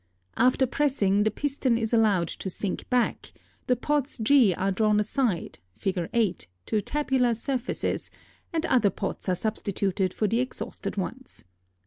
After pressing, the piston is allowed to sink back, the pots G are drawn aside (Fig. 8) to tabular surfaces, and other pots are substituted for the exhausted ones.